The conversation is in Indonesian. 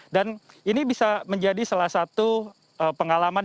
dan ini bisa menjadi salah satu pengalaman yang